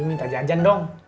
minta jajan dong